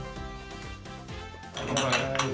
乾杯。